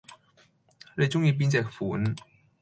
你鍾意邊隻款